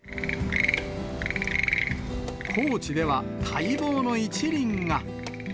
高知では、待望の１輪が。